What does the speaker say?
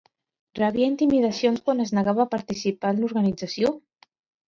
Rebia intimidacions quan es negava a participar en l'organització?